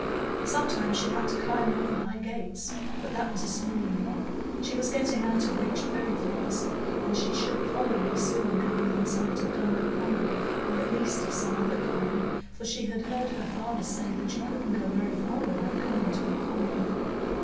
Sometimes she had to climb over high gates, but that was a small evil; she was getting out of reach very fast, and she should probably soon come within sight of Dunlow Common, or at least of some other common, for she had heard her father say that you couldn't go very far without coming to a common.